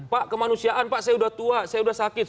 pak kemanusiaan pak saya sudah tua saya sudah sakit